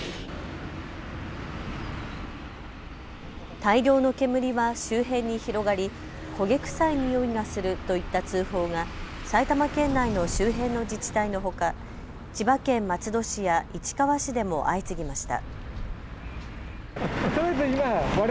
大量の煙は周辺に広がり焦げ臭いにおいがするといった通報が埼玉県内の周辺の自治体のほか、千葉県松戸市や市川市でも相次ぎました。